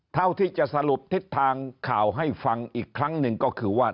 เท่าที่จะสรุปทิศทางข่าวให้ฟังอีกครั้งหนึ่งก็คือว่า